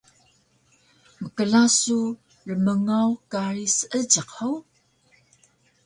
Mkla su rmngaw kari Seejiq hug?